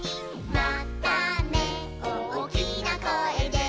「またねおおきなこえで」